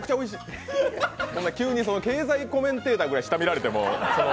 急に経済コメンテーターぐらい下を見られても。